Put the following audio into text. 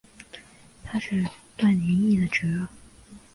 他是段廉义侄儿。